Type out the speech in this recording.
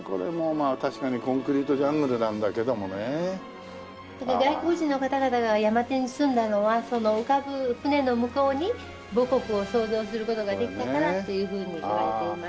まあ確かにコンクリートジャングルなんだけどもね。外国人の方々が山手に住んだのはその浮かぶ船の向こうに母国を想像する事ができたからというふうにいわれています。